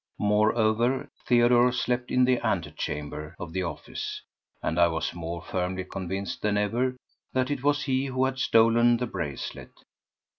Moreover, Theodore slept in the antechamber of the office, and I was more firmly convinced than ever that it was he who had stolen the bracelet.